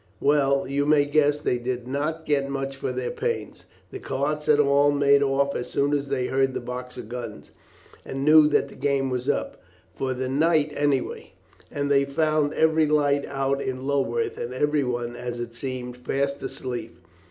Well, you may guess they did not get much for their pains. The carts had all made off as soon as they heard the Boxer's guns, and knew that the game was up, for the night anyhow, and they found every light out in Lulworth, and everyone, as it seemed, fast asleep.